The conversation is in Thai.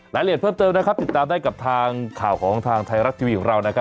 รายละเอียดเพิ่มเติมนะครับติดตามได้กับทางข่าวของทางไทยรัฐทีวีของเรานะครับ